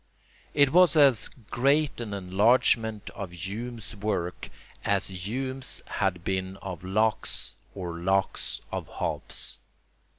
It was as great an enlargement of Hume's work as Hume's had been of Locke's or Locke's of Hobbes's.